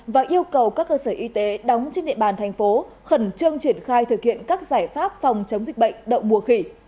và yêu cầu các cơ sở y tế đóng trên địa bàn thành phố khẩn trương triển khai thực hiện các giải pháp phòng chống dịch bệnh đậu mùa khỉ